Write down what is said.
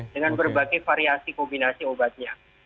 dengan berbagai variasi kombinasi obatnya